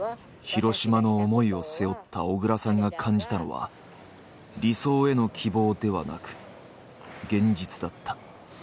ヒロシマの思いを背負った小倉さんが感じたのは理想への希望ではなく現実だった。